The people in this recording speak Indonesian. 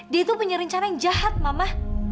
dia tuh punya rencana yang jahat mama